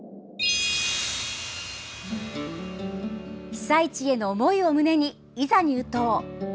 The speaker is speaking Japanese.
被災地への思いを胸にいざ入湯。